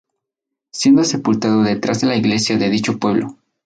Siendo sepultado detrás de la iglesia de dicho pueblo.